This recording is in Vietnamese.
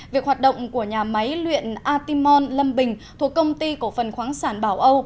việc hoạt động của nhà máy luyện atimon lâm bình thuộc công ty cổ phần khoáng sản bảo âu